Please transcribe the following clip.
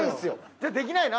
じゃあできないな？